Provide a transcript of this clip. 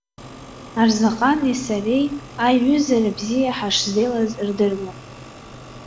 Арзаҟани сареи аиҩызара бзиа шаҳзеилаз рдыруан.